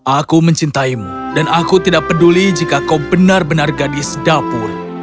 aku mencintaimu dan aku tidak peduli jika kau benar benar gadis dapur